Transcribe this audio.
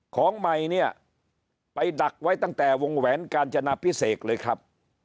ของใหม่เนี่ยไปดักไว้ตั้งแต่วงแหวนกาญจนาพิเศษเลยครับ